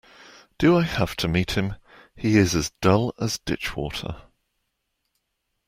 Do I have to meet him? He is as dull as ditchwater.